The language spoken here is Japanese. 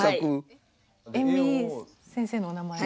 遠見先生のお名前が。